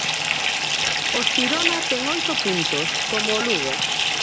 O Xirona ten oito puntos, como o Lugo.